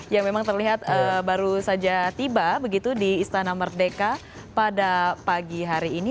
yang memang terlihat baru saja tiba begitu di istana merdeka pada pagi hari ini